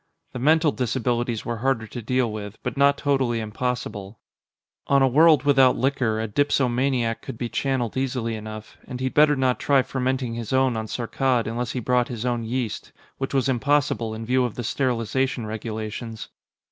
The mental disabilities were harder to deal with, but not totally impossible. On a world without liquor, a dipsomaniac could be channeled easily enough; and he'd better not try fermenting his own on Saarkkad unless he brought his own yeast which was impossible, in view of the sterilization regulations.